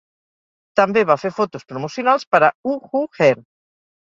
També va fer fotos promocionals per a Uh Huh Her.